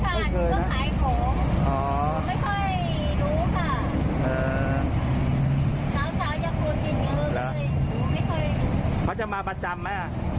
ไม่เคยนะครับไม่เคยนะ